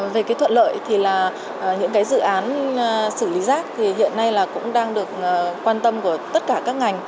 về cái thuận lợi thì là những cái dự án xử lý rác thì hiện nay là cũng đang được quan tâm của tất cả các ngành